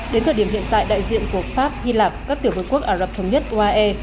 đến thời điểm hiện tại đại diện của pháp hy lạp các tiểu vương quốc ả rập thống nhất uae